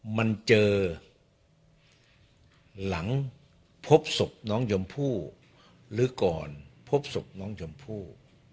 มันเจอหลังพบศพน้องชมพู่หรือก่อนพบศพน้องชมพู่